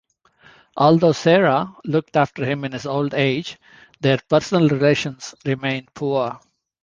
Although Sarah looked after him in his old age, their personal relations remained poor.